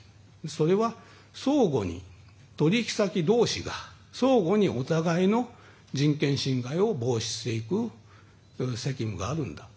それは、取引先同士が相互にお互いの人権侵害を防止していく責務があるんだと。